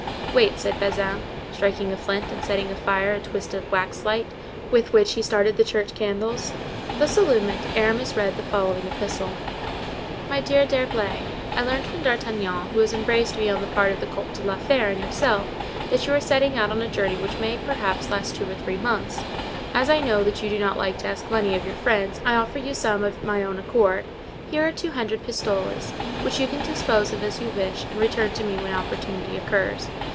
"Wait," said Bazin, striking a flint, and setting afire a twisted wax light, with which he started the church candles. Thus illumined, Aramis read the following epistle: "My dear D'Herblay,—I learned from D'Artagnan who has embraced me on the part of the Comte de la Fere and yourself, that you are setting out on a journey which may perhaps last two or three months; as I know that you do not like to ask money of your friends I offer you some of my own accord. Here are two hundred pistoles, which you can dispose of as you wish and return to me when opportunity occurs.